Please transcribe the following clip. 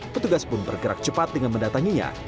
petugas pun bergerak cepat dengan mendatanginya